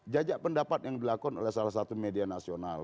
jajak pendapat yang dilakukan oleh salah satu media nasional